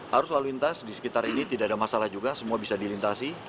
harus lalu lintas di sekitar ini tidak ada masalah juga semua bisa dilintasi